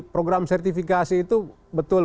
program sertifikasi itu betul